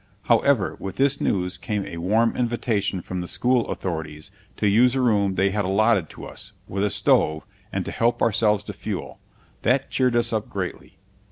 However, with this news came a warm invitation from the school authorities to use a room they had allotted to us, with a stove, and to help ourselves to fuel. That cheered us up greatly.